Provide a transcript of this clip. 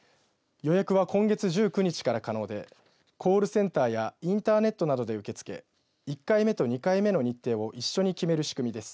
予約は、今月１９日から可能でコールセンターやインターネットなどで受け付け１回目と２回目の日程を一緒に決める仕組みです。